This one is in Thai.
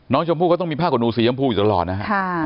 น้องชมพู่ก็ต้องมีผ้ากับหนูสียำพูอยู่ตลอดนะฮะ